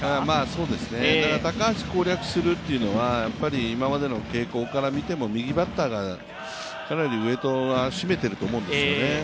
そうですね、高橋を攻略するというのは、今までの傾向から見ても右バッターがかなりウエートを占めていると思うんですよね。